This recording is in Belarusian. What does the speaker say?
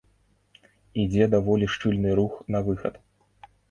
Ідзе даволі шчыльны рух на выхад.